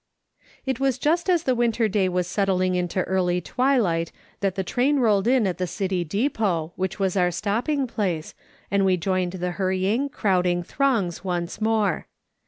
It was just as the winter day was settling into early twilight that the train rolled in at the city depot, which was our stopping place, and we joined the hurrying, crowding throngs once more.